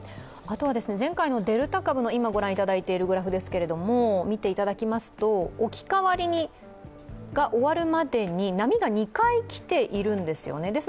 あとは前回のデルタ株の、今御覧いただいているグラフを見ていただきますと、置き換わりが終わるまでに波が２回来ているんですよね。